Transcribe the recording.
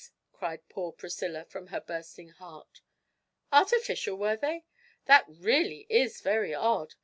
cried poor Priscilla from her bursting heart. 'Artificial, were they? that really is very odd!